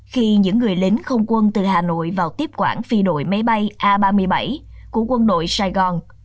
khi những người lính không quân từ hà nội vào tiếp quản phi đội máy bay a ba mươi bảy của quân đội sài gòn